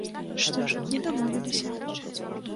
Што ж, не дамовіліся.